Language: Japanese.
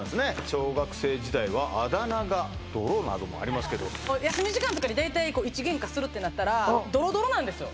小学生時代はあだ名が「泥」などもありますけど休み時間とかに大体こう一喧嘩するってなったらどろどろなんですよ